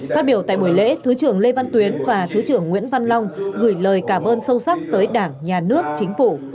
phát biểu tại buổi lễ thứ trưởng lê văn tuyến và thứ trưởng nguyễn văn long gửi lời cảm ơn sâu sắc tới đảng nhà nước chính phủ